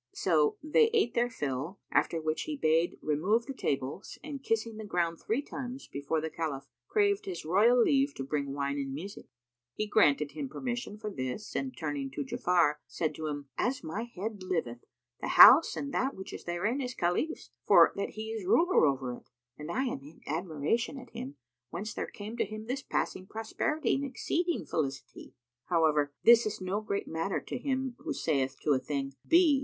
So they ate their fill; after which he bade remove the tables and kissing the ground three times before the Caliph craved his royal leave to bring wine and music.[FN#300] He granted him permission for this and turning to Ja'afar, said to him, "As my head liveth, the house and that which is therein is Khalif's; for that he is ruler over it and I am in admiration at him, whence there came to him this passing prosperity and exceeding felicity! However, this is no great matter to Him who saith to a thing, 'Be!'